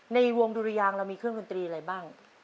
ในวงดุรยางเรามีเครื่องดนตรีอะไรบ้าง